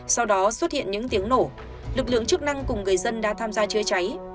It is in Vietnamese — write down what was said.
sau đó xuất hiện những tiếng nổ lực lượng chức năng cùng người dân đã tham gia chữa cháy